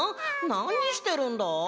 なにしてるんだ？